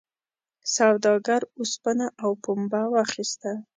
سوداګر اوسپنه او پنبه واخیسته.